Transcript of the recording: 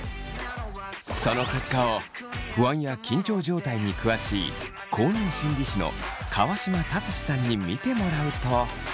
その結果を不安や緊張状態に詳しい公認心理師の川島達史さんに見てもらうと。